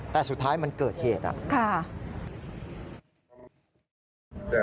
แต่สุดท้ายมันเกิดเหตุอ่ะค่ะ